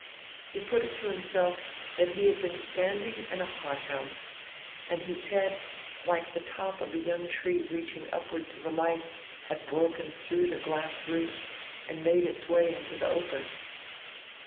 He put it to himself that he had been standing in a hothouse, and his head, like the top of a young tree reaching upward to the light, had broken through the glass roof and made its way into the open.